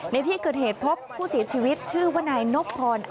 ในที่เกิดเหตุพบผู้เสียชีวิตชื่อว่านายนบพร